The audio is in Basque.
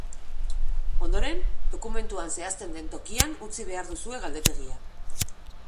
Ondoren, dokumentuan zehazten den tokian utzi behar duzue galdetegia.